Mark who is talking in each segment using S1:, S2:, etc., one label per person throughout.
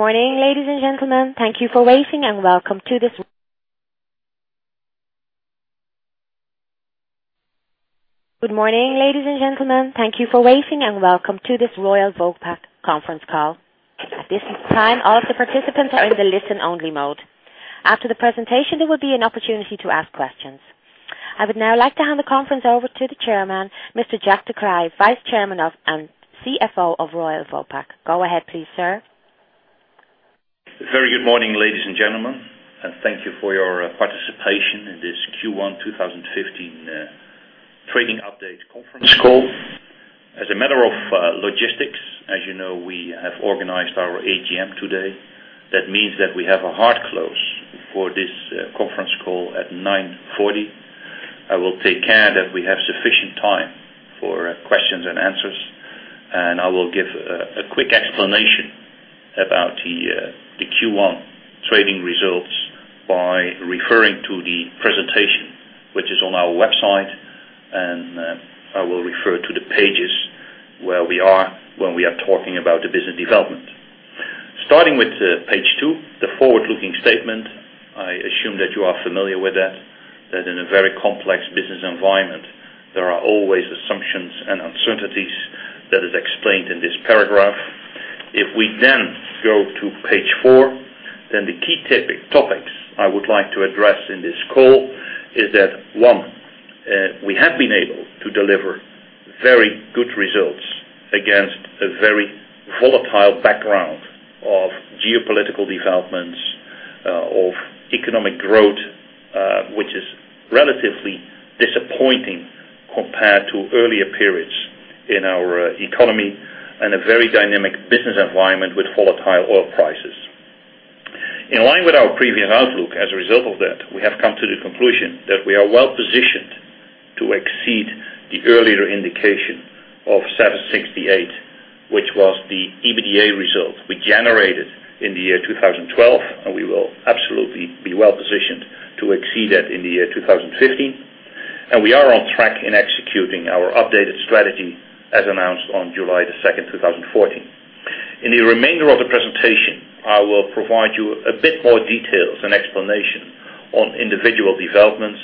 S1: Morning, ladies and gentlemen. Thank you for waiting and welcome to this Royal Vopak conference call. At this time, all of the participants are in the listen-only mode. After the presentation, there will be an opportunity to ask questions. I would now like to hand the conference over to the Chairman, Mr. Jack de Kreij, Vice Chairman and CFO of Royal Vopak. Go ahead, please, sir.
S2: Very good morning, ladies and gentlemen. Thank you for your participation in this Q1 2015 trading update conference call. As a matter of logistics, as you know, we have organized our AGM today. That means that we have a hard close for this conference call at 9:40 A.M. I will take care that we have sufficient time for questions and answers. I will give a quick explanation about the Q1 trading results by referring to the presentation, which is on our website. I will refer to the pages where we are when we are talking about the business development. Starting with page two, the forward-looking statement. I assume that you are familiar with that in a very complex business environment, there are always assumptions and uncertainties that is explained in this paragraph. We then go to page four. The key topics I would like to address in this call is that, 1, we have been able to deliver very good results against a very volatile background of geopolitical developments, of economic growth, which is relatively disappointing compared to earlier periods in our economy, and a very dynamic business environment with volatile oil prices. In line with our previous outlook, as a result of that, we have come to the conclusion that we are well-positioned to exceed the earlier indication of 768, which was the EBITDA result we generated in the year 2012. We will absolutely be well-positioned to exceed that in the year 2015. We are on track in executing our updated strategy as announced on July 2nd, 2014. In the remainder of the presentation, I will provide you a bit more details and explanation on individual developments.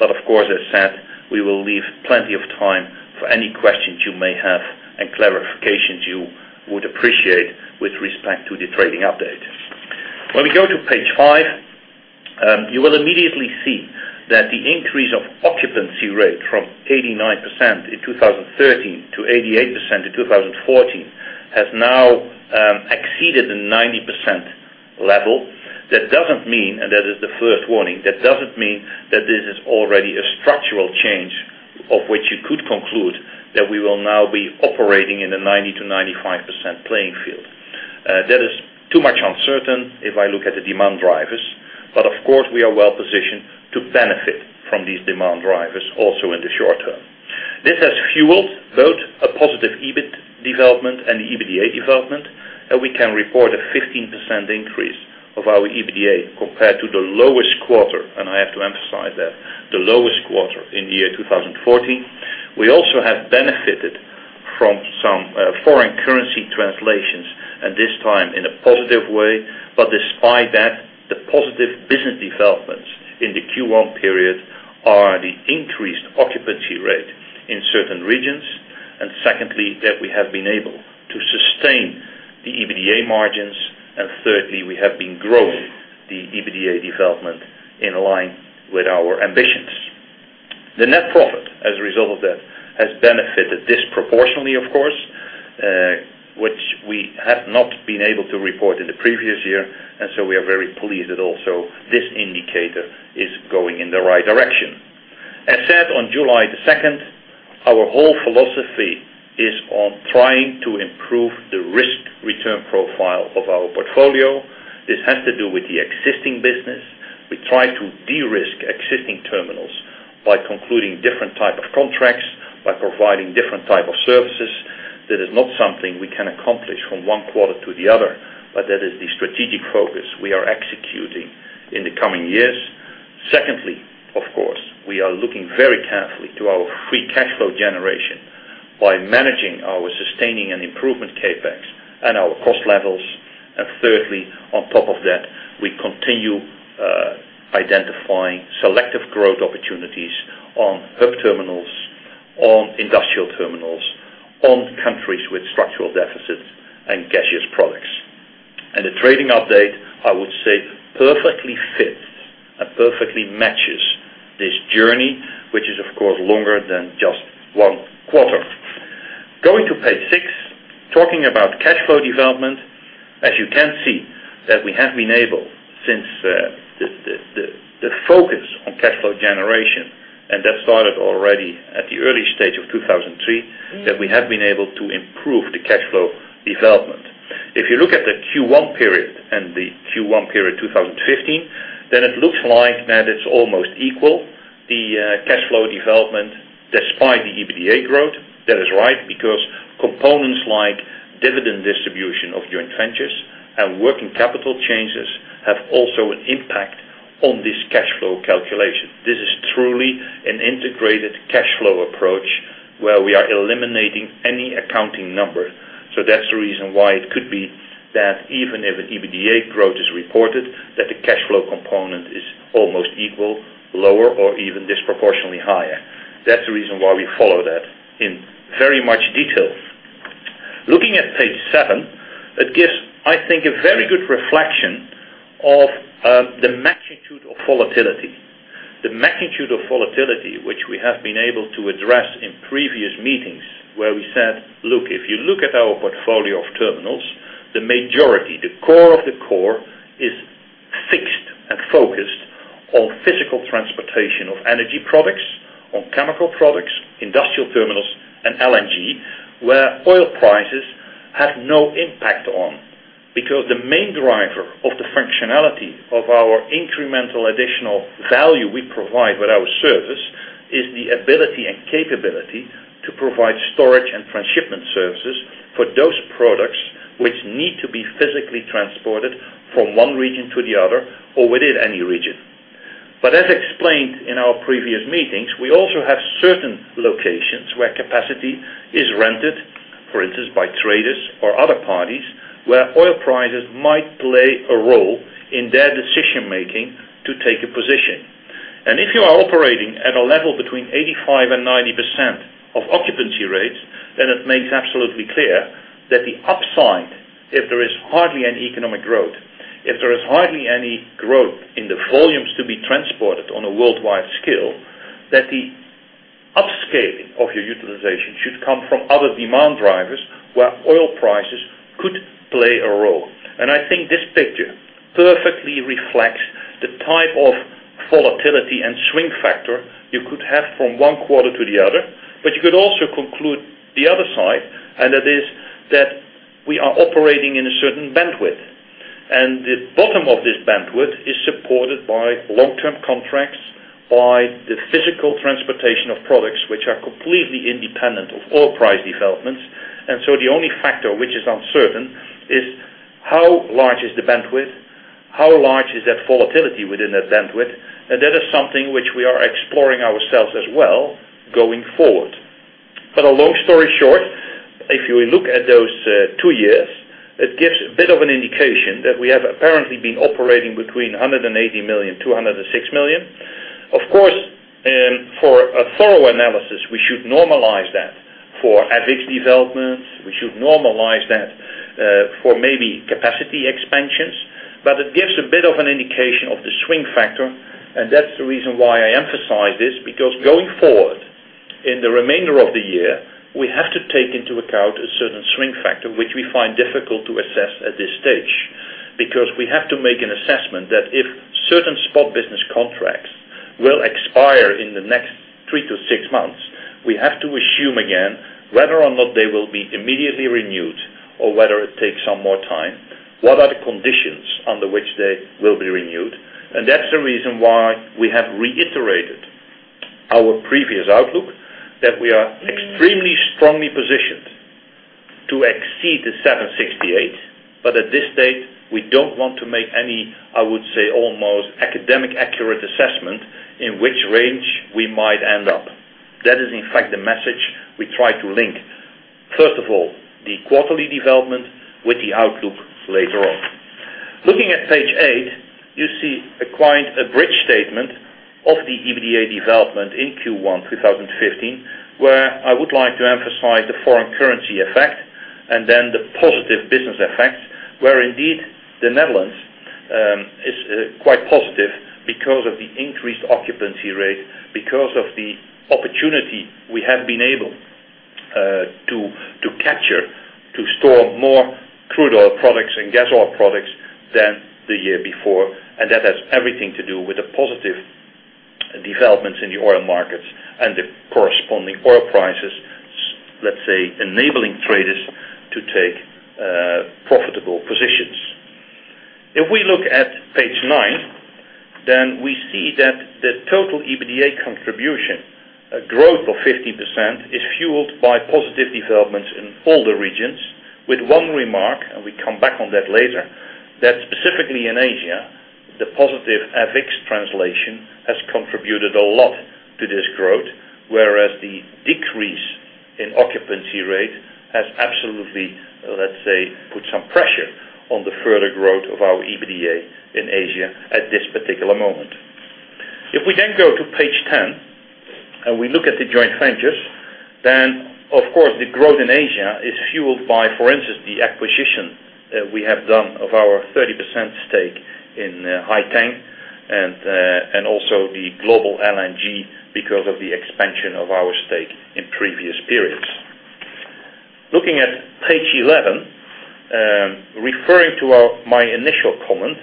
S2: Of course, as said, we will leave plenty of time for any questions you may have and clarifications you would appreciate with respect to the trading update. When we go to page five, you will immediately see that the increase of occupancy rate from 89% in 2013 to 88% in 2014 has now exceeded the 90% level. That doesn't mean. That is the first warning. That doesn't mean that this is already a structural change of which you could conclude that we will now be operating in the 90%-95% playing field. That is too much uncertain if I look at the demand drivers. Of course, we are well-positioned to benefit from these demand drivers also in the short term. This has fueled both a positive EBIT development and EBITDA development. We can report a 15% increase of our EBITDA compared to the lowest quarter. I have to emphasize that, the lowest quarter in the year 2014. We also have benefited from some foreign currency translations, and this time in a positive way. Despite that, the positive business developments in the Q1 period are the increased occupancy rate in certain regions. Secondly, that we have been able to sustain the EBITDA margins. Thirdly, we have been growing the EBITDA development in line with our ambitions. The net profit, as a result of that, has benefited disproportionately, of course, which we have not been able to report in the previous year. We are very pleased that also this indicator is going in the right direction. As said on July the 2nd, our whole philosophy is on trying to improve the risk-return profile of our portfolio. This has to do with the existing business. We try to de-risk existing terminals by concluding different type of contracts, by providing different type of services. That is not something we can accomplish from one quarter to the other, but that is the strategic focus we are executing in the coming years. Secondly, of course, we are looking very carefully to our free cash flow generation by managing our sustaining and improvement CapEx and our cost levels. Thirdly, on top of that, we continue identifying selective growth opportunities on hub terminals, on industrial terminals, on countries with structural deficits and gaseous products. The trading update, I would say, perfectly fits and perfectly matches this journey, which is, of course, longer than just one quarter. Going to page seven, talking about cash flow development. As you can see that we have been able since the focus on cash flow generation. That started already at the early stage of 2003. That we have been able to improve the cash flow development. If you look at the Q1 period and the Q1 period 2015, it looks like that it's almost equal, the cash flow development despite the EBITDA growth. That is right, because components like dividend distribution of joint ventures and working capital changes have also an impact on this cash flow calculation. An integrated cash flow approach where we are eliminating any accounting number. That's the reason why it could be that even if an EBITDA growth is reported, that the cash flow component is almost equal, lower, or even disproportionately higher. That's the reason why we follow that in very much detail. Looking at page seven, it gives, I think, a very good reflection of the magnitude of volatility. The magnitude of volatility, which we have been able to address in previous meetings, where we said, "Look, if you look at our portfolio of terminals, the majority, the core of the core, is fixed and focused on physical transportation of energy products, on chemical products, industrial terminals and LNG," where oil prices have no impact on. The main driver of the functionality of our incremental additional value we provide with our service is the ability and capability to provide storage and transshipment services for those products which need to be physically transported from one region to the other or within any region. As explained in our previous meetings, we also have certain locations where capacity is rented, for instance, by traders or other parties, where oil prices might play a role in their decision-making to take a position. If you are operating at a level between 85% and 90% of occupancy rates, then it makes absolutely clear that the upside, if there is hardly any economic growth, if there is hardly any growth in the volumes to be transported on a worldwide scale, that the upscaling of your utilization should come from other demand drivers where oil prices could play a role. I think this picture perfectly reflects the type of volatility and swing factor you could have from one quarter to the other. You could also conclude the other side, and that is that we are operating in a certain bandwidth. The bottom of this bandwidth is supported by long-term contracts, by the physical transportation of products, which are completely independent of oil price developments. The only factor which is uncertain is how large is the bandwidth, how large is that volatility within that bandwidth, and that is something which we are exploring ourselves as well going forward. A long story short, if you look at those two years, it gives a bit of an indication that we have apparently been operating between 180 million, 206 million. Of course, for a thorough analysis, we should normalize that for AVIX developments. We should normalize that for maybe capacity expansions. It gives a bit of an indication of the swing factor, and that's the reason why I emphasize this, because going forward, in the remainder of the year, we have to take into account a certain swing factor which we find difficult to assess at this stage. Because we have to make an assessment that if certain spot business contracts will expire in the next three to six months, we have to assume again whether or not they will be immediately renewed or whether it takes some more time. What are the conditions under which they will be renewed? That's the reason why we have reiterated our previous outlook that we are extremely strongly positioned to exceed the 768, but at this stage, we don't want to make any, I would say, almost academic accurate assessment in which range we might end up. That is, in fact, the message we try to link. First of all, the quarterly development with the outlook later on. Looking at page eight, you see quite a bridge statement of the EBITDA development in Q1 2015, where I would like to emphasize the foreign currency effect and then the positive business effects, where indeed the Netherlands is quite positive because of the increased occupancy rate, because of the opportunity we have been able to capture to store more crude oil products and gas oil products than the year before, and that has everything to do with the positive developments in the oil markets and the corresponding oil prices, let's say, enabling traders to take profitable positions. We look at page nine, we see that the total EBITDA contribution, a growth of 15%, is fueled by positive developments in all the regions with one remark, and we come back on that later, that specifically in Asia, the positive AVIX translation has contributed a lot to this growth, whereas the decrease in occupancy rate has absolutely, let's say, put some pressure on the further growth of our EBITDA in Asia at this particular moment. We go to page 10 and we look at the joint ventures, of course, the growth in Asia is fueled by, for instance, the acquisition that we have done of our 30% stake in Haiteng and also the Gate LNG because of the expansion of our stake in previous periods. Looking at page 11, referring to my initial comment,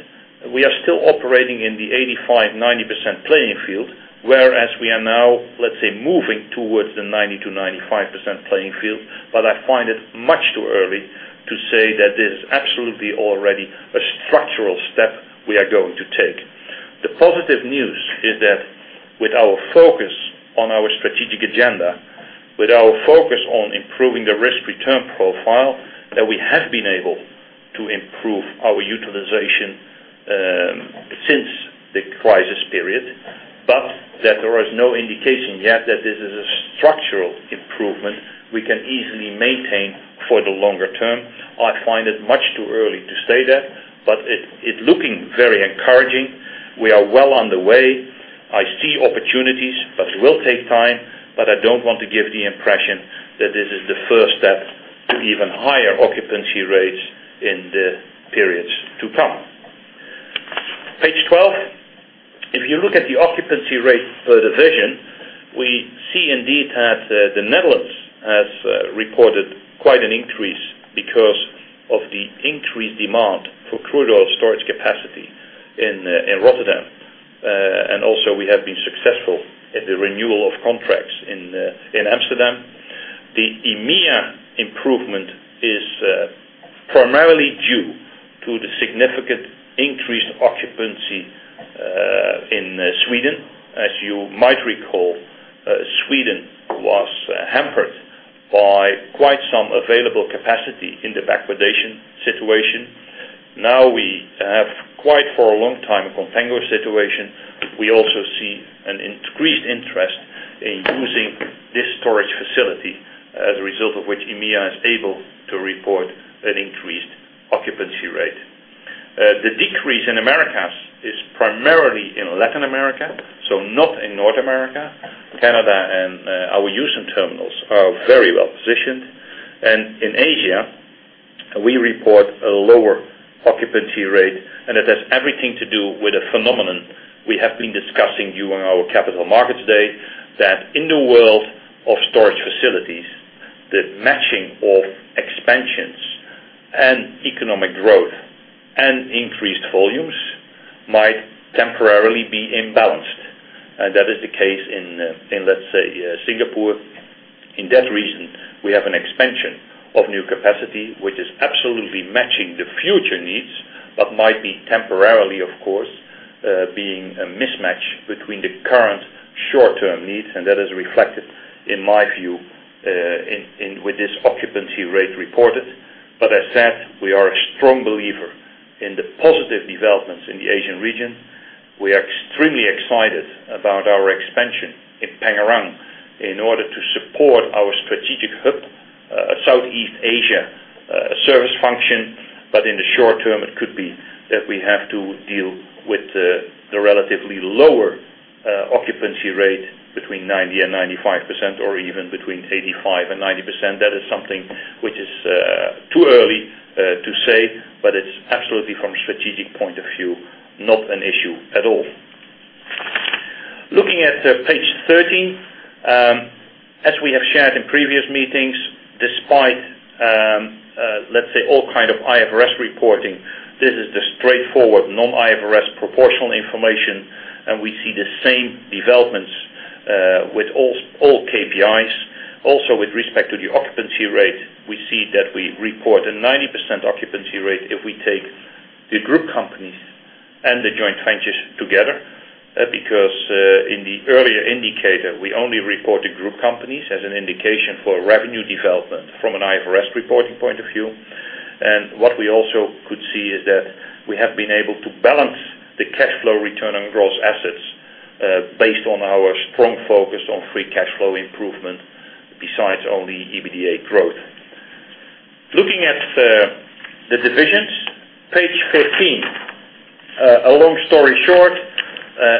S2: we are still operating in the 85%-90% playing field, whereas we are now, let's say, moving towards the 90%-95% playing field, I find it much too early to say that this is absolutely already a structural step we are going to take. The positive news is that with our focus on Agenda, with our focus on improving the risk-return profile, that we have been able to improve our utilization since the crisis period, but that there is no indication yet that this is a structural improvement we can easily maintain for the longer term. I find it much too early to say that, but it's looking very encouraging. We are well on the way. I see opportunities, it will take time, I don't want to give the impression that this is the first step to even higher occupancy rates in the periods to come. Page 12. You look at the occupancy rate per division, we see indeed that the Netherlands has reported quite an increase because of the increased demand for crude oil storage capacity in Rotterdam. Also we have been successful in the renewal of contracts in Amsterdam. The EMEA improvement is primarily due to the significant increased occupancy in Sweden. As you might recall, Sweden was hampered by quite some available capacity in the backwardation situation. Now we have quite for a long time, a contango situation. We also see an increased interest in using this storage facility as a result of which EMEA is able to report an increased occupancy rate. The decrease in Americas is primarily in Latin America, so not in North America. Canada and our Houston terminals are very well positioned. In Asia, we report a lower occupancy rate, and it has everything to do with a phenomenon we have been discussing during our capital market today, that in the world of storage facilities, the matching of expansions and economic growth and increased volumes might temporarily be imbalanced. That is the case in, let's say, Singapore. In that region, we have an expansion of new capacity, which is absolutely matching the future needs, but might be temporarily, of course, being a mismatch between the current short-term needs, and that is reflected, in my view, with this occupancy rate reported. As said, we are a strong believer in the positive developments in the Asian region. We are extremely excited about our expansion in Pengerang in order to support our strategic hub, Southeast Asia service function. In the short term, it could be that we have to deal with the relatively lower occupancy rate between 90%-95%, or even between 85%-90%. That is something which is too early to say, but it's absolutely from a strategic point of view, not an issue at all. Looking at page 13. As we have shared in previous meetings, despite, let's say, all kind of IFRS reporting, this is the straightforward non-IFRS proportional information, and we see the same developments with all KPIs. Also, with respect to the occupancy rate, we see that we report a 90% occupancy rate if we take the group companies and the joint ventures together. In the earlier indicator, we only report the group companies as an indication for revenue development from an IFRS reporting point of view. What we also could see is that we have been able to balance the cash flow return on gross assets, based on our strong focus on free cash flow improvement besides only EBITDA growth. Looking at the divisions, page 15. A long story short,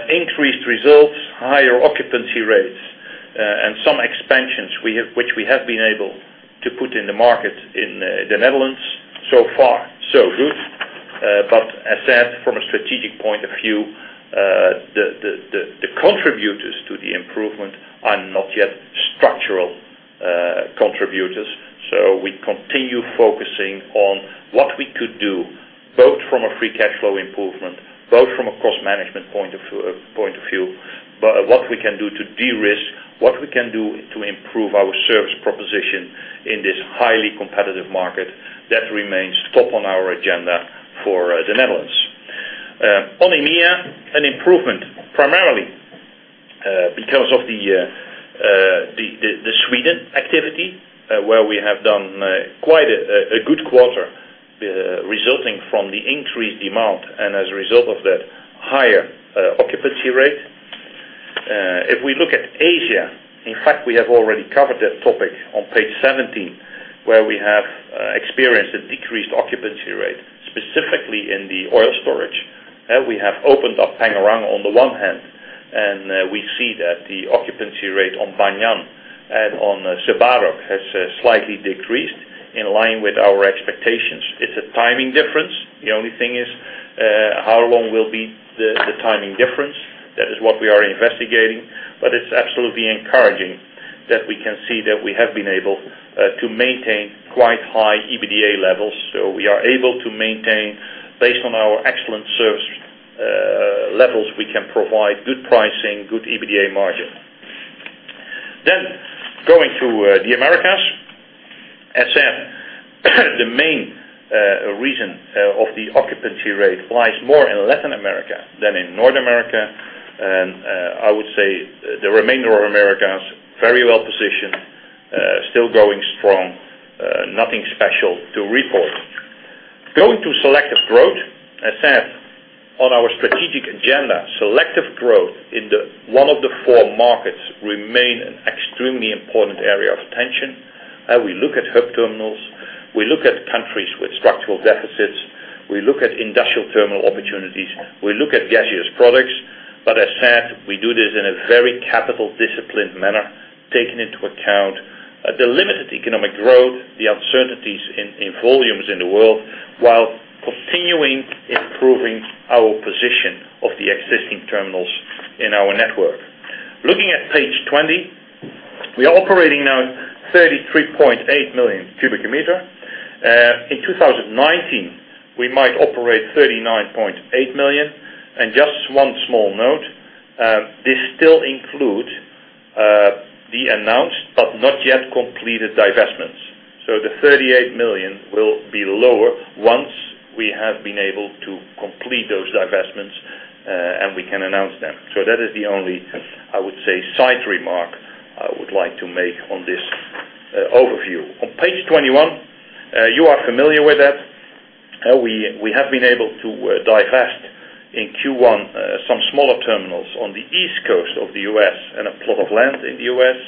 S2: increased results, higher occupancy rates, and some expansions which we have been able to put in the market in the Netherlands. So far, so good. As said, from a strategic point of view, the contributors to the improvement are not yet structural contributors. We continue focusing on what we could do, both from a free cash flow improvement, both from a cost management point of view. What we can do to de-risk, what we can do to improve our service proposition in this highly competitive market, that remains top on our agenda for the Netherlands. On EMEA, an improvement, primarily because of the Sweden activity, where we have done quite a good quarter, resulting from the increased demand and as a result of that, higher occupancy rate. If we look at Asia, in fact, we have already covered that topic on page 17, where we have experienced a decreased occupancy rate, specifically in the oil storage. We have opened up Pengerang on the one hand, and we see that the occupancy rate on Banyan and on Sebarok has slightly decreased in line with our expectations. It's a timing difference. The only thing is, how long will be the timing difference? That is what we are investigating. It's absolutely encouraging that we can see that we have been able to maintain quite high EBITDA levels. We are able to maintain, based on our excellent service levels, we can provide good pricing, good EBITDA margin. Going to the Americas. As said, the main reason of the occupancy rate lies more in Latin America than in North America. I would say the remainder of America is very well positioned, still growing strong. Nothing special to report. Going to selective growth. I said, on our strategic agenda, selective growth in one of the four markets remain an extremely important area of attention. We look at hub terminals, we look at countries with structural deficits, we look at industrial terminal opportunities, we look at gaseous products. As I said, we do this in a very capital disciplined manner, taking into account the limited economic growth, the uncertainties in volumes in the world, while continuing improving our position of the existing terminals in our network. Looking at page 20, we are operating now 33.8 million cubic meters. In 2019, we might operate 39.8 million. Just one small note, this still includes the announced, but not yet completed divestments. The 38 million will be lower once we have been able to complete those divestments, and we can announce them. That is the only, I would say, side remark I would like to make on this overview. On page 21, you are familiar with that. We have been able to divest in Q1 some smaller terminals on the East Coast of the U.S. and a plot of land in the U.S.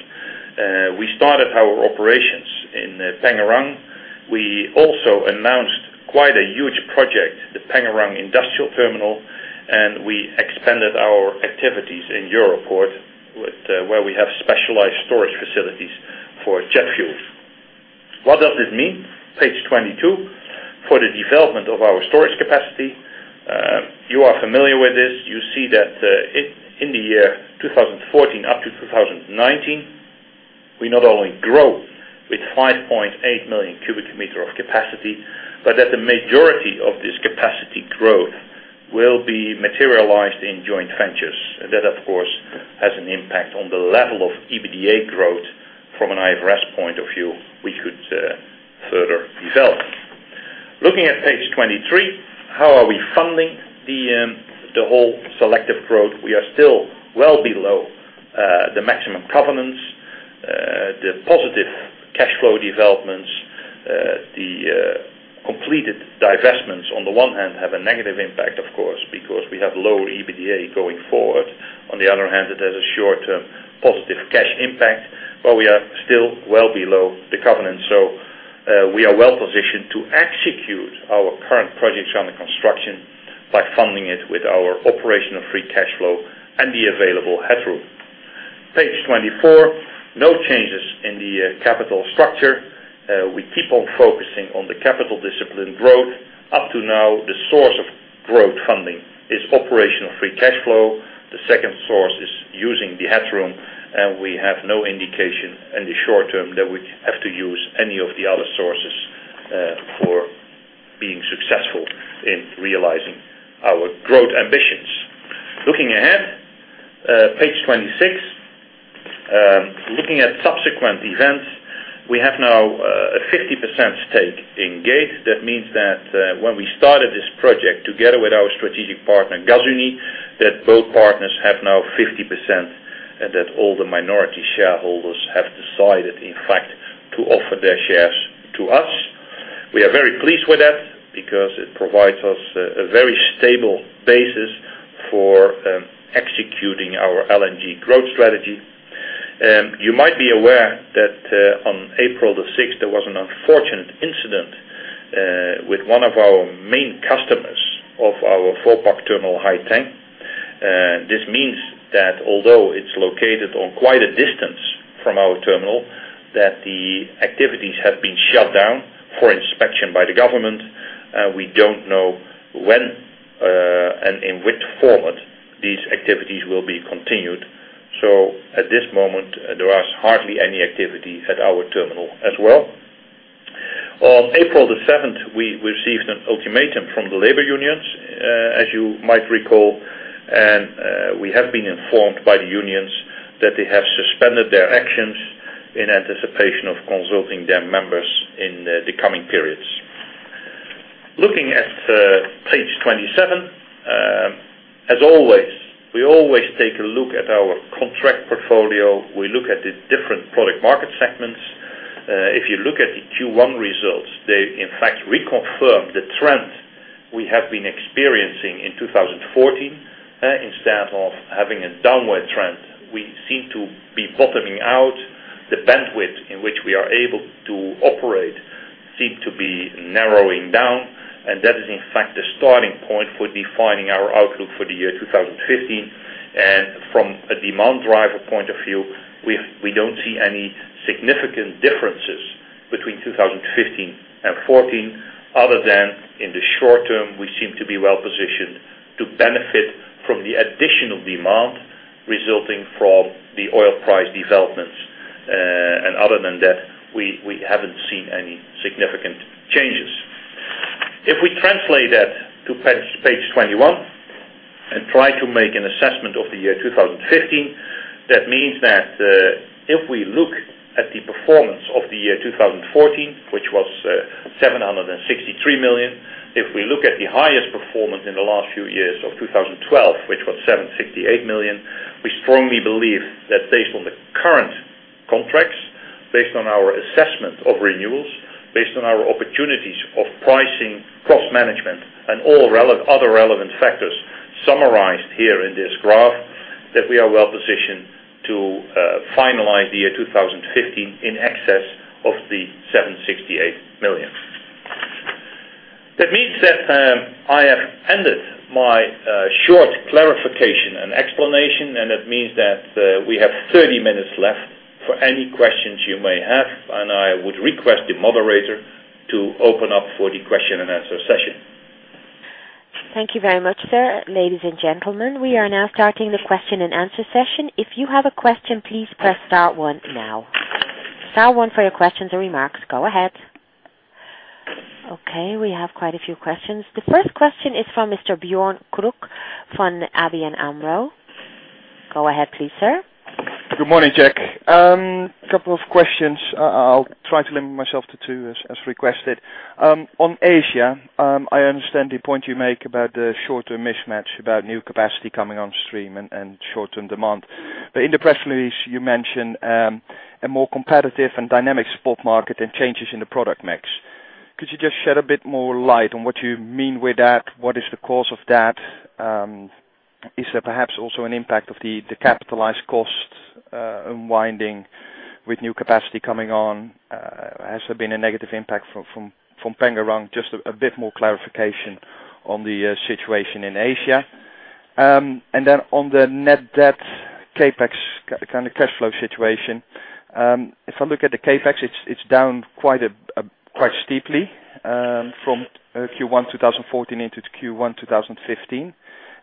S2: We started our operations in Pengerang. We also announced quite a huge project, the Pengerang Industrial Terminal, and we expanded our activities in Europoort, where we have specialized storage facilities for jet fuels. What does this mean? Page 22. For the development of our storage capacity, you are familiar with this. You see that in the year 2014 up to 2019, we not only grow with 5.8 million cubic meters of capacity, but that the majority of this capacity growth will be materialized in joint ventures. That, of course, has an impact on the level of EBITDA growth from an IFRS point of view, we could further develop. Looking at page 23, how are we funding the whole selective growth? We are still well below the maximum covenants. The positive cash flow developments, the completed divestments on the one hand, have a negative impact, of course, because we have low EBITDA going forward. On the other hand, it has a short-term positive cash impact, but we are still well below the covenant. We are well positioned to execute our current projects under construction by funding it with our operational free cash flow and the available headroom. Page 24. No changes in the capital structure. We keep on focusing on the capital discipline growth. Up to now, the source of growth funding is operational free cash flow. The second source is using the headroom, and we have no indication in the short term that we have to use any of the other sources for being successful in realizing our growth ambitions. Looking ahead, page 26. Looking at subsequent events, we have now a 50% stake in Gate. That means that when we started this project together with our strategic partner, Gasunie, that both partners have now 50%, and that all the minority shareholders have decided, in fact, to offer their shares to us. We are very pleased with that because it provides us a very stable basis for executing our LNG growth strategy. You might be aware that on April the 6th, there was an unfortunate incident with one of our main customers of our Vopak terminal Haiteng. This means that although it's located on quite a distance from our terminal, that the activities have been shut down for inspection by the government. We don't know when and in which format these activities will be continued. At this moment, there are hardly any activity at our terminal as well. On April the 7th, we received an ultimatum from the labor unions, as you might recall, and we have been informed by the unions that they have suspended their actions in anticipation of consulting their members in the coming periods. Looking at page 27. As always, we always take a look at our contract portfolio. We look at the different product market segments. If you look at the Q1 results, they, in fact, reconfirm the trend we have been experiencing in 2014. Instead of having a downward trend, we seem to be bottoming out. The bandwidth in which we are able to operate seem to be narrowing down, and that is, in fact, the starting point for defining our outlook for the year 2015. From a demand driver point of view, we don't see any significant differences between 2015 and 2014, other than in the short term, we seem to be well positioned to benefit from the additional demand resulting from the oil price developments. Relate that to page 21 and try to make an assessment of the year 2015. That means that if we look at the performance of the year 2014, which was 763 million, if we look at the highest performance in the last few years of 2012, which was 768 million, we strongly believe that based on the current contracts, based on our assessment of renewals, based on our opportunities of pricing, cost management, and all other relevant factors summarized here in this graph, that we are well positioned to finalize the year 2015 in excess of the 768 million. That means that I have ended my short clarification and explanation, and it means that we have 30 minutes left for any questions you may have, and I would request the moderator to open up for the question and answer session.
S1: Thank you very much, sir. Ladies and gentlemen, we are now starting the question and answer session. If you have a question, please press star one now. Star one for your questions or remarks. Go ahead. Okay, we have quite a few questions. The first question is from Mr. Björn Krüek from ABN AMRO. Go ahead please, sir.
S3: Good morning, Jack. Couple of questions. I will try to limit myself to two as requested. On Asia, I understand the point you make about the short-term mismatch about new capacity coming on stream and short-term demand. In the press release, you mentioned a more competitive and dynamic spot market and changes in the product mix. Could you just shed a bit more light on what you mean with that? What is the cause of that? Is there perhaps also an impact of the capitalized cost unwinding with new capacity coming on? Has there been a negative impact from Pengerang? Just a bit more clarification on the situation in Asia. On the net debt, CapEx, kind of cash flow situation. If I look at the CapEx, it's down quite steeply from Q1 2014 into Q1 2015.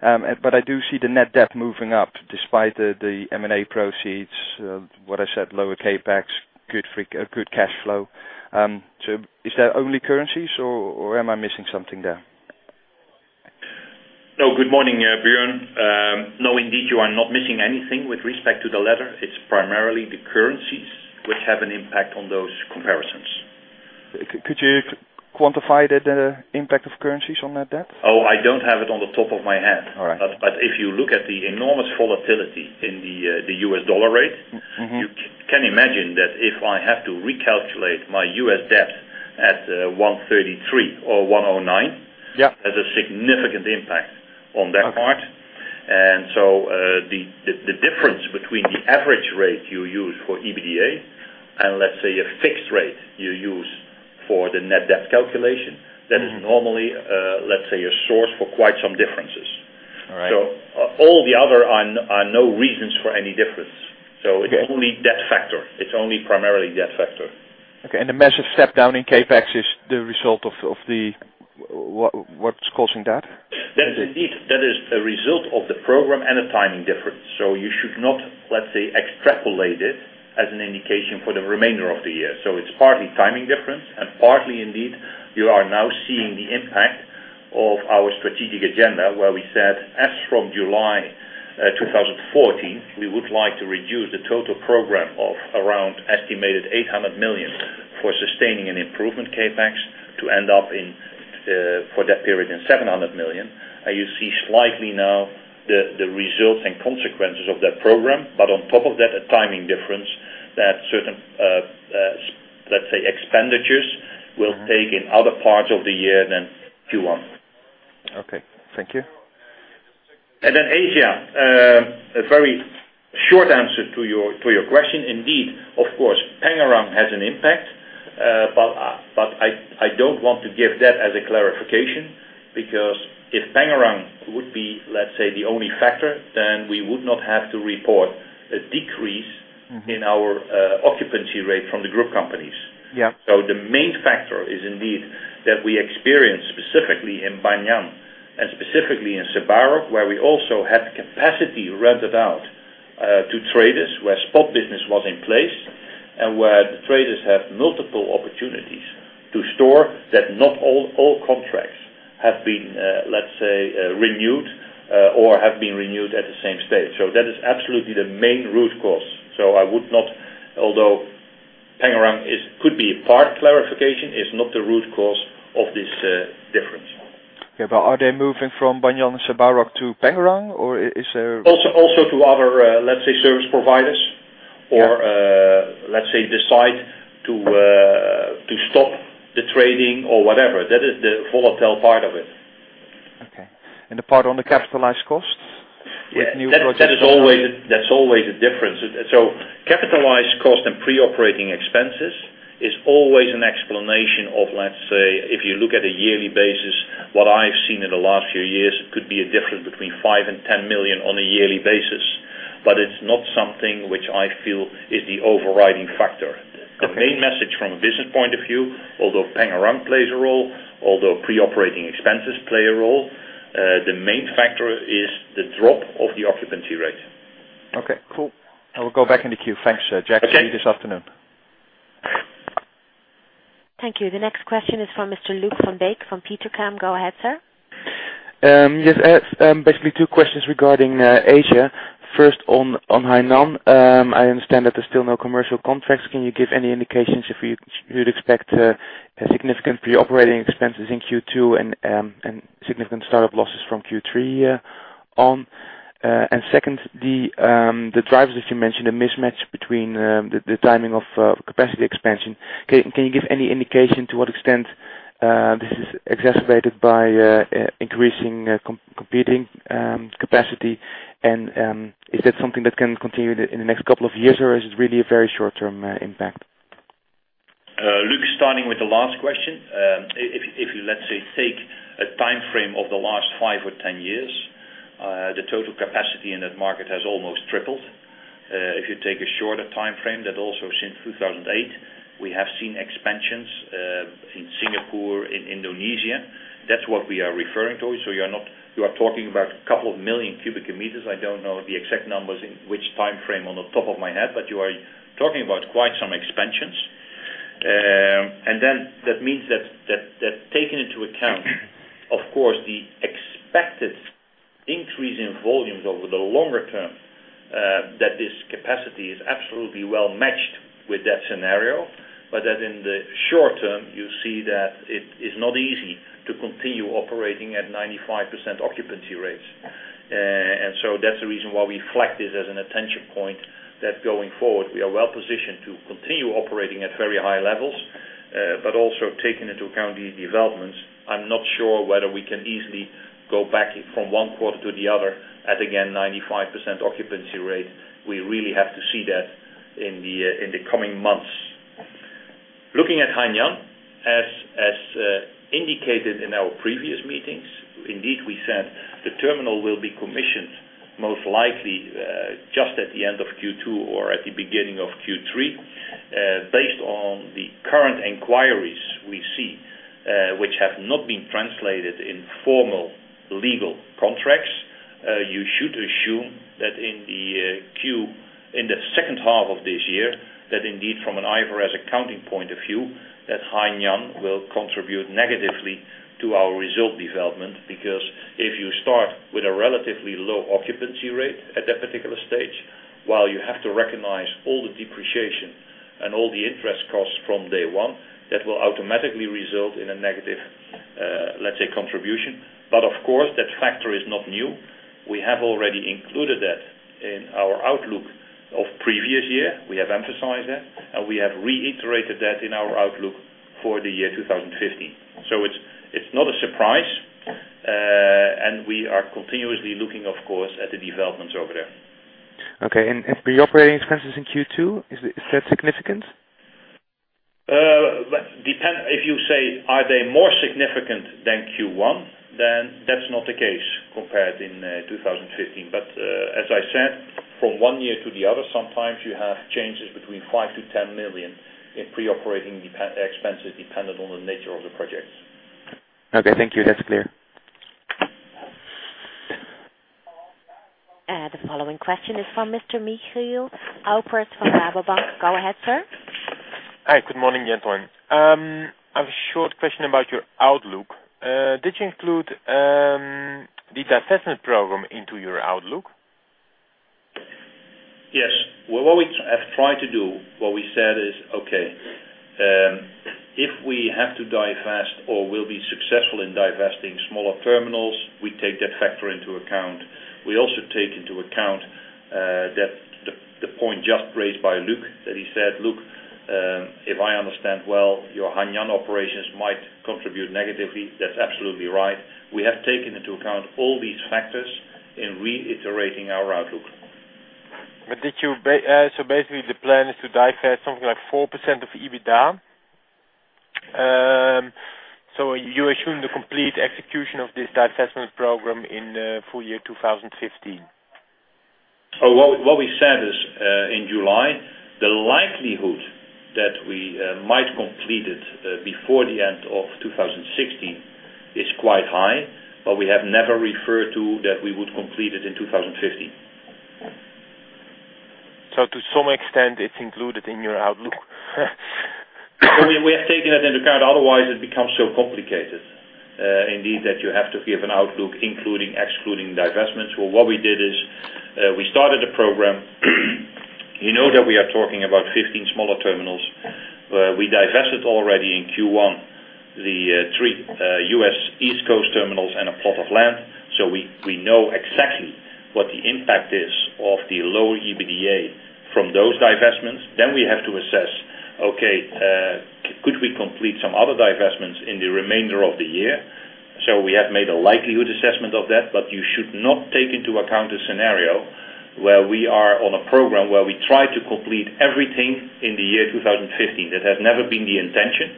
S3: I do see the net debt moving up despite the M&A proceeds, what I said, lower CapEx, good cash flow. Is that only currencies or am I missing something there?
S2: Good morning, Björn. Indeed, you are not missing anything with respect to the latter. It's primarily the currencies which have an impact on those comparisons.
S3: Could you quantify the impact of currencies on that debt?
S2: Oh, I don't have it on the top of my head.
S3: All right.
S2: If you look at the enormous volatility in the U.S. dollar rate, you can imagine that if I have to recalculate my U.S. debt at 133 or 109.
S3: Yeah.
S2: It has a significant impact on that part. The difference between the average rate you use for EBITDA and let's say a fixed rate you use for the net debt calculation, that is normally, let's say, a source for quite some differences.
S3: All right.
S2: All the other are no reasons for any difference. It's only debt factor. It's only primarily debt factor.
S3: Okay. The massive step down in CapEx is the result of what's causing that?
S2: That is a result of the program and a timing difference. You should not, let's say, extrapolate it as an indication for the remainder of the year. It's partly timing difference and partly indeed, you are now seeing the impact of our strategic agenda where we said as from July 2014, we would like to reduce the total program of around estimated 800 million for sustaining an improvement CapEx to end up for that period in 700 million. You see slightly now the results and consequences of that program. On top of that, a timing difference that certain, let's say, expenditures will take in other parts of the year than Q1.
S3: Okay. Thank you.
S2: Asia. A very short answer to your question. Indeed, of course, Pengerang has an impact. I don't want to give that as a clarification because if Pengerang would be, let's say, the only factor, then we would not have to report a decrease in our occupancy rate from the group companies.
S3: Yeah.
S2: The main factor is indeed that we experience specifically in Banyan and specifically in Sebarok, where we also had capacity rented out to traders where spot business was in place, and where the traders have multiple opportunities to store that not all contracts have been, let's say, renewed or have been renewed at the same stage. That is absolutely the main root cause. I would not, although Pengerang could be a part clarification, is not the root cause of this difference.
S3: Yeah. Are they moving from Banyan, Sebarok to Pengerang, or is there?
S2: Also to other, let's say, service providers or, let's say, decide to stop the trading or whatever. That is the volatile part of it.
S3: Okay. The part on the capitalized costs with new projects-
S2: That's always a difference. Capitalized cost and pre-operating expenses is always an explanation of, let's say, if you look at a yearly basis, what I've seen in the last few years, it could be a difference between five million and 10 million on a yearly basis. It's not something which I feel is the overriding factor.
S3: Okay.
S2: The main message from a business point of view, although Pengerang plays a role, although pre-operating expenses play a role, the main factor is the drop of the occupancy rate.
S3: Okay, cool. I will go back in the queue. Thanks, Jack. See you this afternoon.
S1: Thank you. The next question is from Mr. Luuk van Dijk from Petercam. Go ahead, sir.
S4: Yes. Basically two questions regarding Asia. First, on Hainan. I understand that there's still no commercial contracts. Can you give any indications if you'd expect significant pre-operating expenses in Q2 and significant start-up losses from Q3 on? Second, the drivers, as you mentioned, a mismatch between the timing of capacity expansion. Can you give any indication to what extent this is exacerbated by increasing competing capacity? Is that something that can continue in the next couple of years, or is it really a very short-term impact?
S2: Luuk, starting with the last question. If you, let's say, take a time frame of the last five or 10 years, the total capacity in that market has almost tripled. If you take a shorter time frame, that also since 2008, we have seen expansions, in Singapore, in Indonesia. That's what we are referring to. You are talking about a couple of million cubic meters. I don't know the exact numbers in which time frame on the top of my head, but you are talking about quite some expansions. That means that taking into account, of course, the expected increase in volumes over the longer term, that this capacity is absolutely well-matched with that scenario, but that in the short term, you see that it is not easy to continue operating at 95% occupancy rates. That's the reason why we flagged it as an attention point that going forward, we are well-positioned to continue operating at very high levels. Also taking into account these developments, I'm not sure whether we can easily go back from one quarter to the other at again, 95% occupancy rate. We really have to see that in the coming months. Looking at Hainan, as indicated in our previous meetings, indeed, we said the terminal will be commissioned most likely, just at the end of Q2 or at the beginning of Q3. Based on the current inquiries we see, which have not been translated in formal legal contracts, you should assume that in the second half of this year that indeed from an IFRS accounting point of view, that Hainan will contribute negatively to our result development because if you start with a relatively low occupancy rate at that particular stage, while you have to recognize all the depreciation and all the interest costs from day one, that will automatically result in a negative, let's say, contribution. Of course, that factor is not new. We have already included that in our outlook of previous year. We have emphasized that, and we have reiterated that in our outlook for the year 2015. It's not a surprise. We are continuously looking, of course, at the developments over there.
S4: Okay. Pre-operating expenses in Q2, is that significant?
S2: If you say, are they more significant than Q1, then that's not the case compared in 2015. As I said, from one year to the other, sometimes you have changes between 5 million-10 million in pre-operating expenses dependent on the nature of the projects.
S4: Okay. Thank you. That's clear.
S1: The following question is from Mr. Michiel Kuipers from Rabobank. Go ahead, sir.
S5: Hi. Good morning, [Jack]. I have a short question about your outlook. Did you include the divestment program into your outlook?
S2: Yes. What we have tried to do, what we said is, okay, if we have to divest or will be successful in divesting smaller terminals, we take that factor into account. We also take into account, the point just raised by Luuk, that he said, "Look, if I understand well, your Hainan operations might contribute negatively." That's absolutely right. We have taken into account all these factors in reiterating our outlook.
S5: The plan is to divest something like 4% of EBITDA. Are you assuming the complete execution of this divestment program in full year 2015?
S2: What we said is, in July, the likelihood that we might complete it before the end of 2016 is quite high, but we have never referred to that we would complete it in 2015.
S5: To some extent, it's included in your outlook.
S2: We have taken that into account. Otherwise, it becomes so complicated, indeed, that you have to give an outlook, including, excluding divestments. Well, what we did is, we started a program. You know that we are talking about 15 smaller terminals. We divested already in Q1 the three U.S. East Coast terminals and a plot of land. We know exactly what the impact is of the lower EBITDA from those divestments. We have to assess, okay, could we complete some other divestments in the remainder of the year? We have made a likelihood assessment of that, but you should not take into account a scenario where we are on a program where we try to complete everything in the year 2015. That has never been the intention,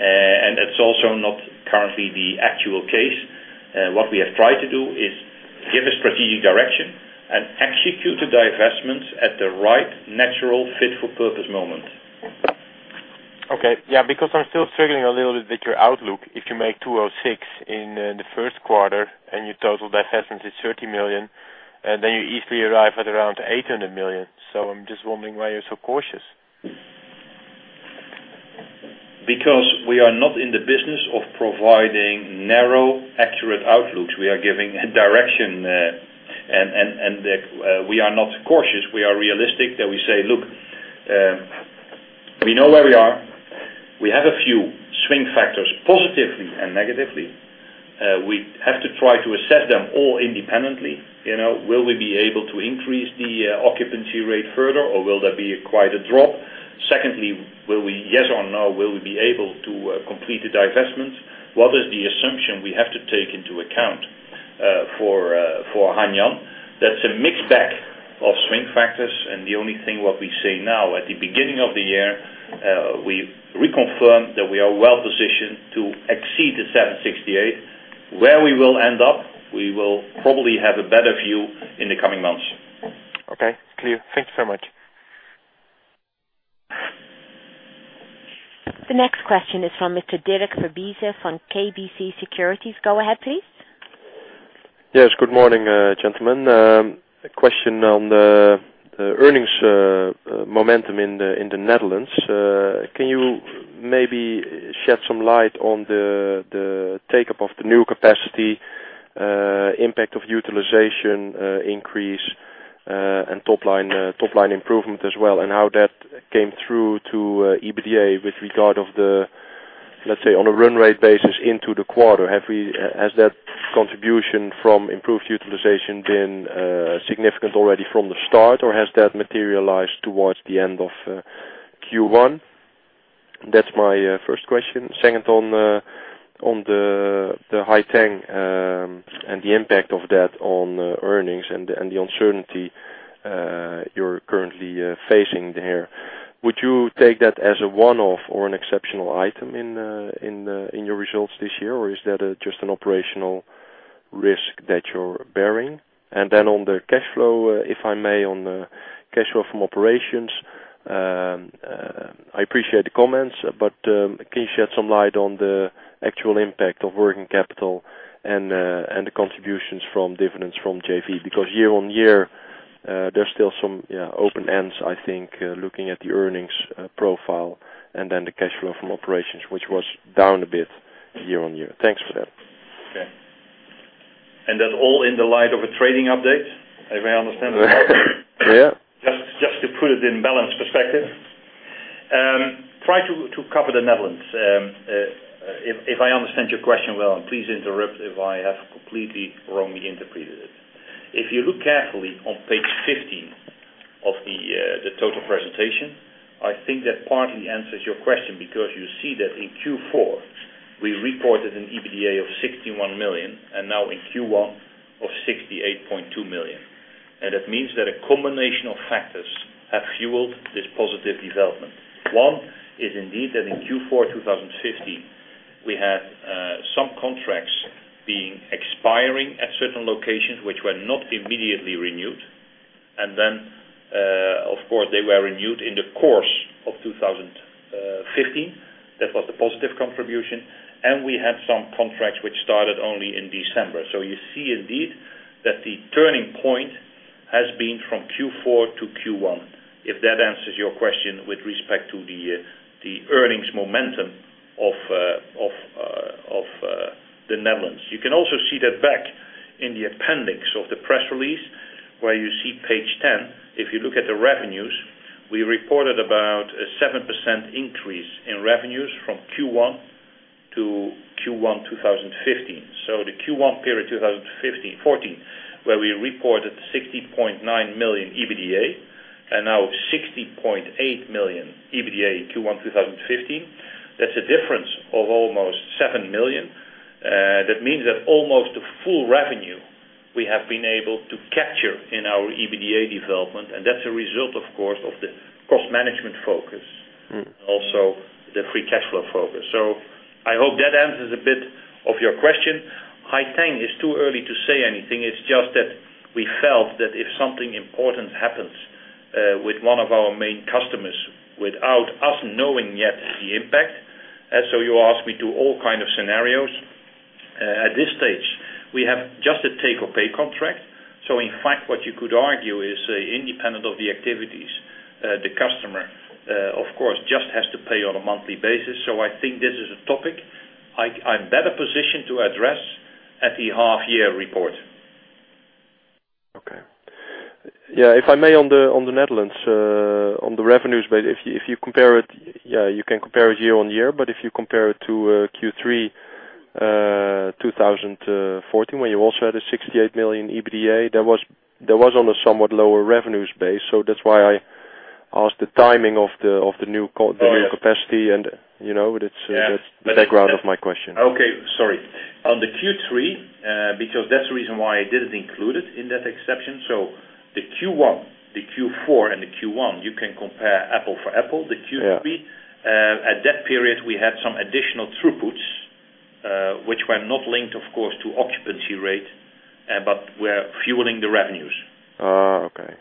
S2: and it's also not currently the actual case. What we have tried to do is give a strategic direction and execute the divestments at the right natural fit for purpose moment.
S5: Okay. I'm still struggling a little bit with your outlook. If you make 206 in the first quarter and your total divestment is 30 million. You easily arrive at around 800 million. I'm just wondering why you're so cautious.
S2: We are not in the business of providing narrow, accurate outlooks. We are giving a direction. We are not cautious. We are realistic that we say, look, we know where we are. We have a few swing factors, positively and negatively. We have to try to assess them all independently. Will we be able to increase the occupancy rate further, or will there be quite a drop? Secondly, yes or no, will we be able to complete the divestment? What is the assumption we have to take into account for Hainan? That's a mixed bag of swing factors, the only thing what we say now at the beginning of the year, we reconfirm that we are well-positioned to exceed the 768. Where we will end up, we will probably have a better view in the coming months.
S5: Okay, clear. Thank you so much.
S1: The next question is from Mr. Dirk Verbiest from KBC Securities. Go ahead, please.
S6: Yes. Good morning, gentlemen. A question on the earnings momentum in the Netherlands. Can you maybe shed some light on the take-up of the new capacity, impact of utilization increase, and top-line improvement as well, and how that came through to EBITDA with regard of the, let's say, on a run rate basis into the quarter? Has that contribution from improved utilization been significant already from the start, or has that materialized towards the end of Q1? That is my first question. Second, on the Haiteng and the impact of that on earnings and the uncertainty you are currently facing there. Would you take that as a one-off or an exceptional item in your results this year, or is that just an operational risk that you are bearing? Then on the cash flow, if I may, on the cash flow from operations. I appreciate the comments, can you shed some light on the actual impact of working capital and the contributions from dividends from JV? Because year-on-year, there is still some open ends, I think, looking at the earnings profile and then the cash flow from operations, which was down a bit year-on-year. Thanks for that.
S2: Okay. That all in the light of a trading update, if I understand it correctly.
S6: Yeah.
S2: Just to put it in balance perspective. Try to cover the Netherlands. If I understand your question well, and please interrupt if I have completely wrongly interpreted it. If you look carefully on page 15 of the total presentation, I think that partly answers your question because you see that in Q4, we reported an EBITDA of 61 million and now in Q1 of 68.2 million. That means that a combination of factors have fueled this positive development. One is indeed that in Q4 2015, we had some contracts being expiring at certain locations which were not immediately renewed. Of course, they were renewed in the course of 2015. That was the positive contribution. We had some contracts which started only in December. You see indeed that the turning point has been from Q4 to Q1, if that answers your question with respect to the earnings momentum of the Netherlands. You can also see that back in the appendix of the press release, where you see page 10. If you look at the revenues, we reported about a 7% increase in revenues from Q1 to Q1 2015. The Q1 period 2014, where we reported 60.9 million EBITDA, and now 68.2 million EBITDA in Q1 2015. That's a difference of almost 7 million. That means that almost the full revenue we have been able to capture in our EBITDA development, and that's a result, of course, of the cost management focus. Also the free cash flow focus. I hope that answers a bit of your question. Haiteng is too early to say anything. It's just that we felt that if something important happens with one of our main customers without us knowing yet the impact. You ask me to all kind of scenarios. At this stage, we have just a take-or-pay contract. In fact, what you could argue is independent of the activities, the customer, of course, just has to pay on a monthly basis. I think this is a topic I'm better positioned to address at the half-year report.
S6: Okay. If I may, on the Netherlands, on the revenues bit. If you compare it, you can compare it year-on-year, but if you compare it to Q3 2014, where you also had a 68 million EBITDA, that was on a somewhat lower revenues base. That's why I asked the timing of the new capacity and that's the background of my question.
S2: Okay. Sorry. On the Q3, because that's the reason why I didn't include it in that exception. The Q4 and the Q1, you can compare apple for apple. The Q3, at that period, we had some additional throughputs, which were not linked, of course, to occupancy rate, but were fueling the revenues.
S6: Okay.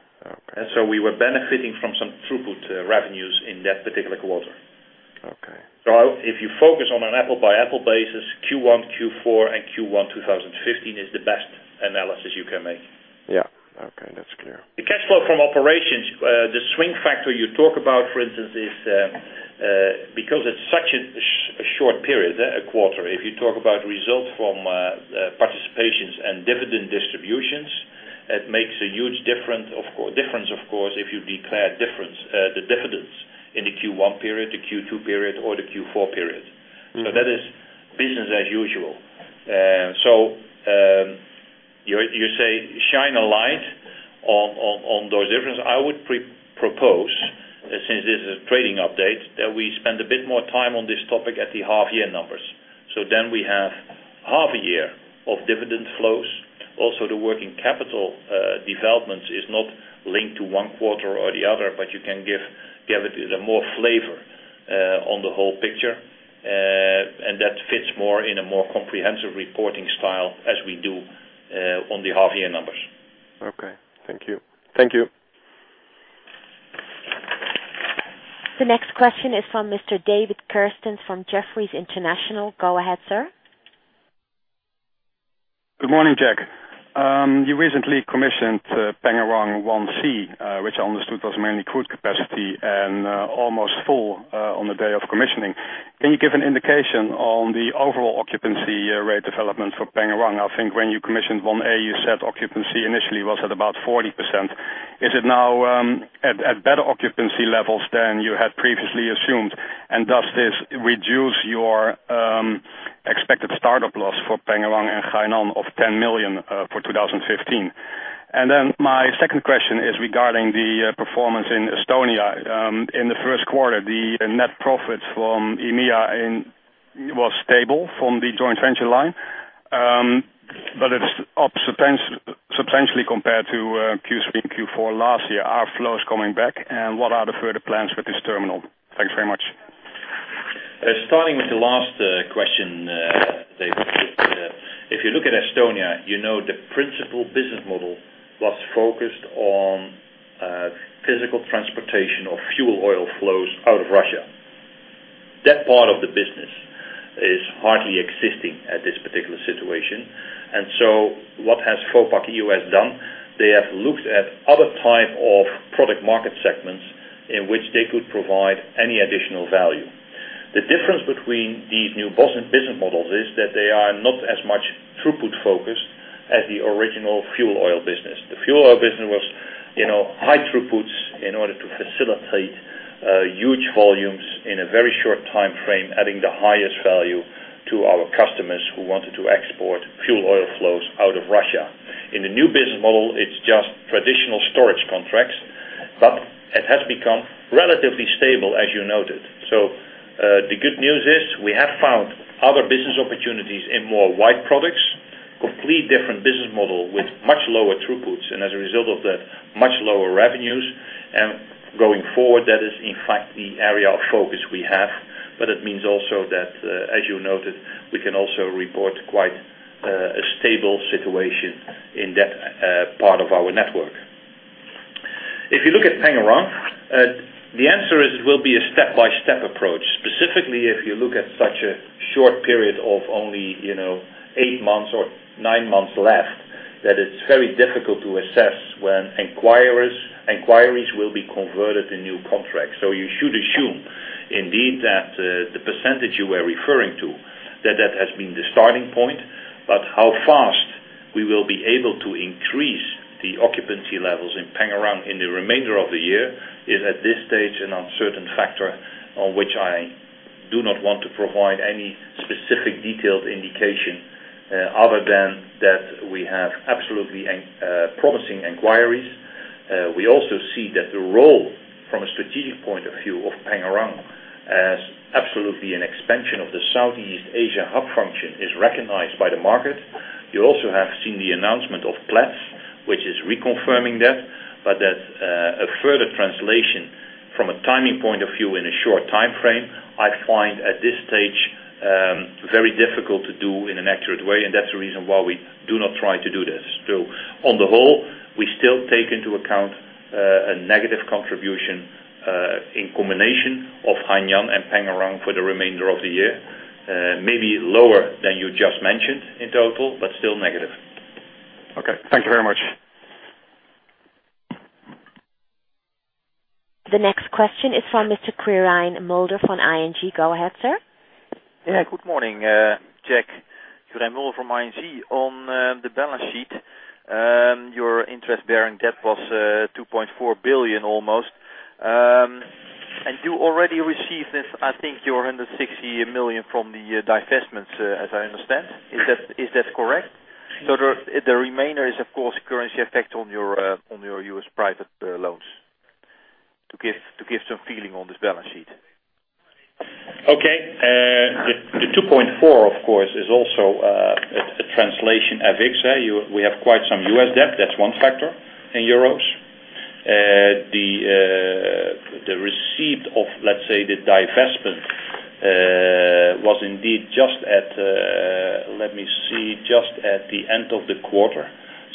S2: We were benefiting from some throughput revenues in that particular quarter. If you focus on an apple-by-apple basis, Q1, Q4, and Q1 2015 is the best analysis you can make.
S6: Yeah. Okay, that's clear.
S2: The cash flow from operations, the swing factor you talk about, for instance, is because it's such a short period, a quarter. If you talk about results from participations and dividend distributions, it makes a huge difference, of course, if you declare the dividends in the Q1 period, the Q2 period, or the Q4 period. That is business as usual. You say shine a light on those differences. I would propose, since this is a trading update, that we spend a bit more time on this topic at the half year numbers. Then we have half a year of dividend flows. Also, the working capital developments is not linked to one quarter or the other, but you can give it a more flavor on the whole picture. That fits more in a more comprehensive reporting style as we do on the half year numbers.
S6: Okay. Thank you.
S2: Thank you.
S1: The next question is from Mr. David Kerstens from Jefferies International. Go ahead, sir.
S7: Good morning, Jack. You recently commissioned Pengerang 1C, which I understood was mainly crude capacity and almost full on the day of commissioning. Can you give an indication on the overall occupancy rate development for Pengerang? I think when you commissioned 1A, you said occupancy initially was at about 40%. Is it now at better occupancy levels than you had previously assumed? Does this reduce your expected startup loss for Pengerang and Hainan of 10 million for 2015? My second question is regarding the performance in Estonia. In the first quarter, the net profits from EMEA was stable from the joint venture line. It's up substantially compared to Q3 and Q4 last year. Are flows coming back and what are the further plans with this terminal? Thanks very much.
S2: Starting with the last question, David. If you look at Estonia, you know the principal business model was focused on physical transportation of fuel oil flows out of Russia. That part of the business is hardly existing at this particular situation. What has Vopak E.O.S. done? They have looked at other type of product market segments in which they could provide any additional value. The difference between these new business models is that they are not as much throughput focused as the original fuel oil business. The fuel oil business was high throughputs in order to facilitate huge volumes in a very short time frame, adding the highest value to our customers who wanted to export fuel oil flows out of Russia. In the new business model, it's just traditional storage contracts, but it has become relatively stable, as you noted. The good news is we have found other business opportunities in more wide products, complete different business model with much lower throughputs, and as a result of that, much lower revenues. Going forward, that is in fact the area of focus we have, but it means also that, as you noted, we can also report quite a stable situation in that part of our network. If you look at Pengerang, the answer is it will be a step-by-step approach. Specifically, if you look at such a short period of only eight months or nine months left, that it's very difficult to assess when inquiries will be converted to new contracts. You should assume indeed that the percentage you were referring to, that that has been the starting point. How fast we will be able to increase the occupancy levels in Pengerang in the remainder of the year is at this stage an uncertain factor on which I do not want to provide any specific detailed indication, other than that we have absolutely promising inquiries. We also see that the role from a strategic point of view of Pengerang as absolutely an expansion of the Southeast Asia hub function is recognized by the market. You also have seen the announcement of Platts, which is reconfirming that, but that a further translation from a timing point of view in a short time frame, I find at this stage, very difficult to do in an accurate way, and that's the reason why we do not try to do this. On the whole, we still take into account a negative contribution, in combination of Hainan and Pengerang for the remainder of the year. Maybe lower than you just mentioned in total, but still negative.
S7: Okay. Thank you very much.
S1: The next question is from Mr. Quirijn Mulder from ING. Go ahead, sir.
S8: Good morning, Jack. Quirijn Mulder from ING. On the balance sheet, your interest bearing debt was 2.4 billion almost. You already received this, I think your 160 million from the divestments, as I understand. Is that correct? The remainder is, of course, currency effect on your U.S. private loans. To give some feeling on this balance sheet.
S2: Okay. The 2.4, of course, is also a translation FX. We have quite some US debt, that's one factor, in EUR. The receipt of, let's say, the divestment at the end of the quarter.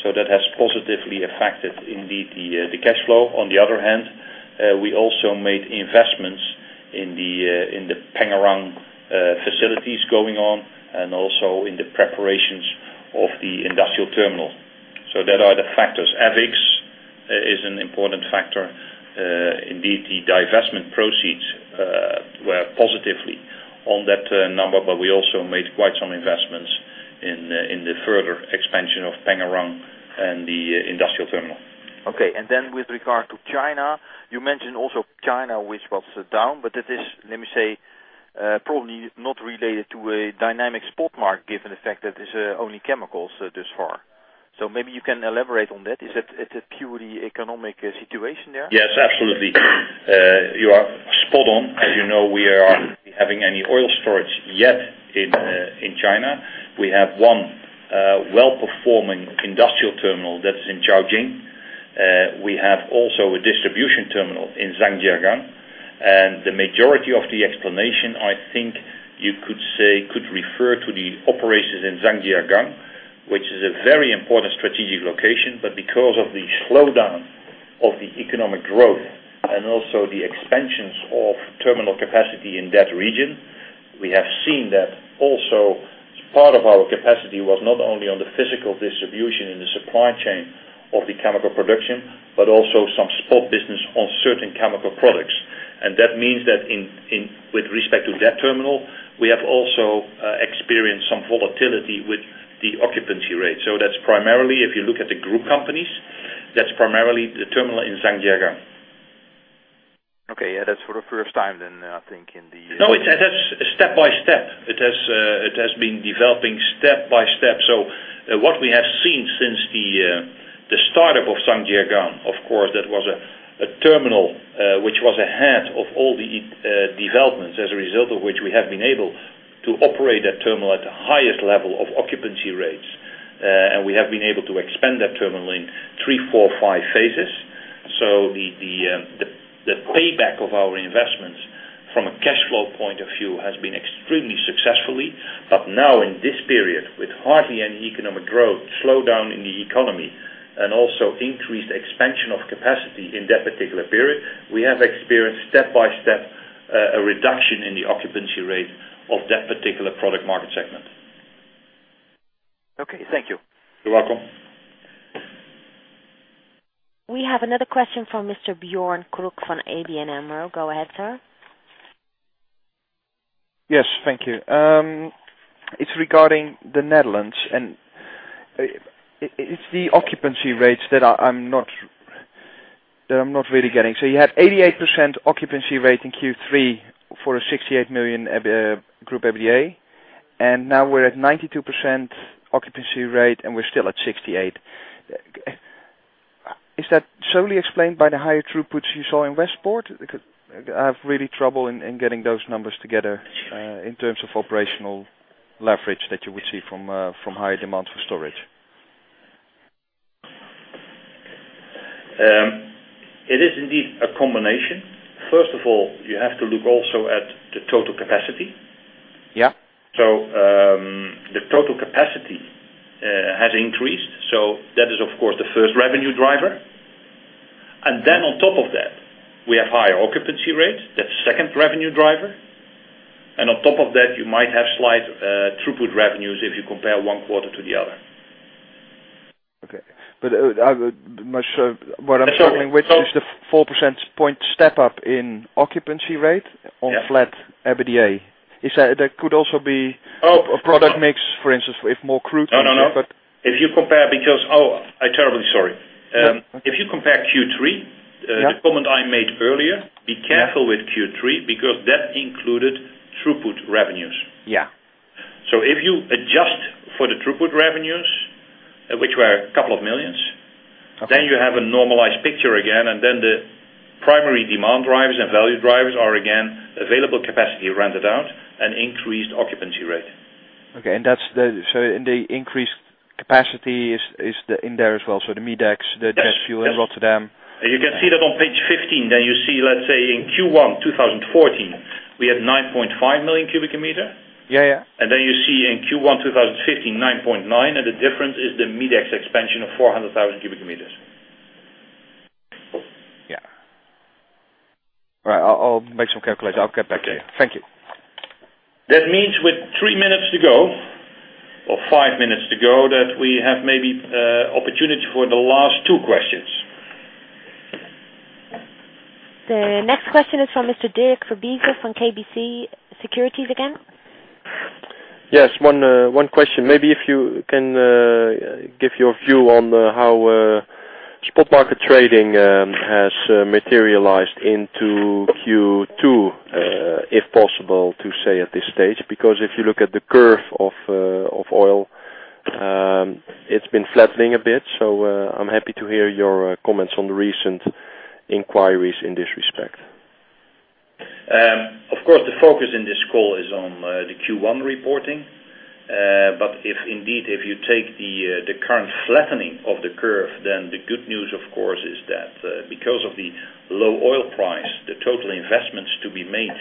S2: That has positively affected indeed the cash flow. On the other hand, we also made investments in the Pengerang facilities going on and also in the preparations of the industrial terminal. Those are the factors. FX is an important factor. Indeed, the divestment proceeds were positively on that number, but we also made quite some investments in the further expansion of Pengerang and the industrial terminal.
S8: Okay. With regard to China, you mentioned also China, which was down, but it is, let me say, probably not related to a dynamic spot market, given the fact that it's only chemicals thus far. Maybe you can elaborate on that. Is it a purely economic situation there?
S2: Yes, absolutely. You are spot on. As you know, we are not having any oil storage yet in China. We have one well-performing industrial terminal that's in Caojing. We have also a distribution terminal in Zhangjiagang. The majority of the explanation, I think, you could refer to the operations in Zhangjiagang, which is a very important strategic location, but because of the slowdown of the economic growth and also the expansions of terminal capacity in that region, we have seen that also part of our capacity was not only on the physical distribution and the supply chain of the chemical production, but also some spot business on certain chemical products. That means that with respect to that terminal, we have also experienced some volatility with the occupancy rate. That's primarily, if you look at the group companies, that's primarily the terminal in Zhangjiagang.
S8: Okay. That's for the first time then, I think in the.
S2: No, it has step by step. It has been developing step by step. What we have seen since the startup of Zhangjiagang, of course, that was a terminal which was ahead of all the developments, as a result of which we have been able to operate that terminal at the highest level of occupancy rates. We have been able to expand that terminal in three, four, five phases. The payback of our investments from a cash flow point of view has been extremely successfully. Now in this period, with hardly any economic growth, slowdown in the economy, and also increased expansion of capacity in that particular period, we have experienced step by step, a reduction in the occupancy rate of that particular product market segment.
S8: Okay. Thank you.
S2: You're welcome.
S1: We have another question from Mr. Björn Krüek from ABN AMRO. Go ahead, sir.
S3: Yes. Thank you. It is regarding the Netherlands, the occupancy rates that I am not really getting. You had 88% occupancy rate in Q3 for a 68 million group EBITDA. Now we are at 92% occupancy rate, and we are still at 68. Is that solely explained by the higher throughputs you saw in Westpoort? I have really trouble in getting those numbers together, in terms of operational leverage that you would see from higher demand for storage.
S2: It is indeed a combination. First of all, you have to look also at the total capacity.
S3: Yeah.
S2: The total capacity has increased. That is, of course, the first revenue driver. On top of that, we have higher occupancy rates. That is second revenue driver. On top of that, you might have slight throughput revenues if you compare one quarter to the other.
S3: Okay. What I am struggling with is the 4% point step-up in occupancy rate on flat EBITDA. That could also be a product mix, for instance, if more crude-
S2: No. If you compare because I terribly sorry.
S3: Yeah.
S2: If you compare Q3, the comment I made earlier, be careful with Q3 because that included throughput revenues.
S3: Yeah.
S2: If you adjust for the throughput revenues, which were a couple of millions, you have a normalized picture again, the primary demand drivers and value drivers are again, available capacity rented out and increased occupancy rate.
S3: Okay. The increased capacity is in there as well. The MedEx, the jet fuel in Rotterdam.
S2: You can see that on page 15. You see, let's say, in Q1 2014, we had 9.5 million cubic meters.
S3: Yeah.
S2: You see in Q1 2015, 9.9, and the difference is the MedEx expansion of 400,000 cubic meters.
S3: Yeah. All right. I'll make some calculations. I'll get back to you. Thank you.
S2: That means with three minutes to go or five minutes to go, that we have maybe opportunity for the last two questions.
S1: The next question is from Mr. Dirk Verbiest from KBC Securities again.
S6: Yes, one question. Maybe if you can give your view on how spot market trading has materialized into Q2, if possible to say at this stage. If you look at the curve of oil, it's been flattening a bit. I'm happy to hear your comments on the recent inquiries in this respect.
S2: Of course, the focus in this call is on the Q1 reporting. If indeed, if you take the current flattening of the curve, the good news, of course, is that because of the low oil price, the total investments to be made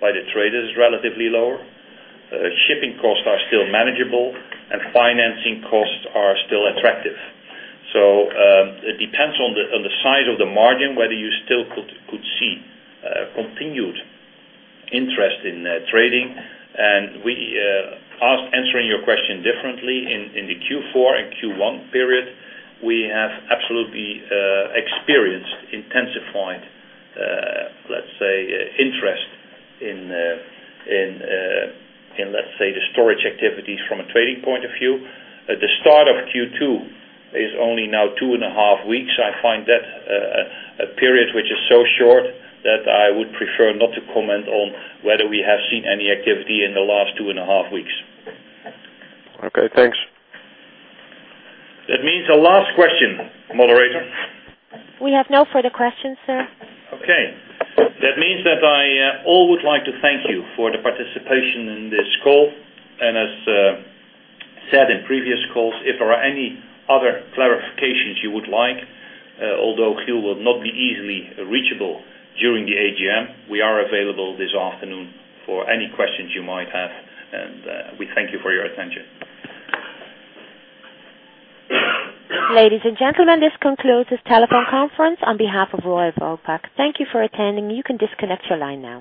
S2: by the traders is relatively lower. Shipping costs are still manageable, and financing costs are still attractive. It depends on the size of the margin, whether you still could see continued interest in trading. We are answering your question differently in the Q4 and Q1 period. We have absolutely experienced intensified interest in the storage activities from a trading point of view. The start of Q2 is only now two and a half weeks. I find that a period which is so short that I would prefer not to comment on whether we have seen any activity in the last two and a half weeks.
S6: Okay, thanks.
S2: That means the last question, moderator.
S1: We have no further questions, sir.
S2: Okay. That means that I all would like to thank you for the participation in this call. As said in previous calls, if there are any other clarifications you would like, although Giel will not be easily reachable during the AGM, we are available this afternoon for any questions you might have, and we thank you for your attention.
S1: Ladies and gentlemen, this concludes this telephone conference. On behalf of Royal Vopak, thank you for attending. You can disconnect your line now.